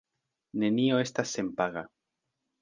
Nenio estas senpaga.